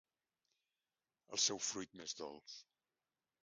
El seu fruit m’és dolç.